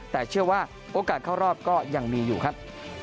แต่เชื่อว่าโอกาสเข้ารอบก็ยังมีอยู่ครับ